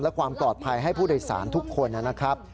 และความปลอดภัยให้ผู้โดยสารทุกคนนะครับ